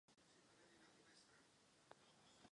Dosažení tohoto cíle má rozhodující význam.